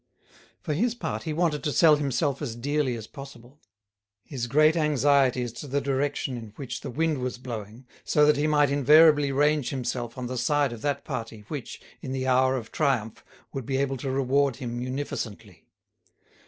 For his part he wanted to sell himself as dearly as possible. His great anxiety as to the direction in which the wind was blowing, so that he might invariably range himself on the side of that party, which, in the hour of triumph, would be able to reward him munificently.